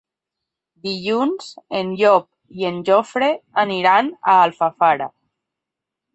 Dilluns en Llop i en Jofre aniran a Alfafara.